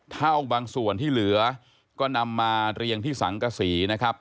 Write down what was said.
เท่าบางส่วนที่เหลือก็นำมาเรียงที่สังกษีนะครับ